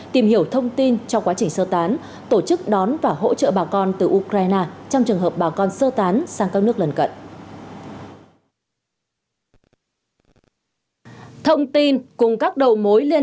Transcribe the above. tìm hiểu thông tin trong quá trình sơ tán tổ chức đón và hỗ trợ bà con từ ukraine trong trường hợp bà con sơ tán sang các nước lần cận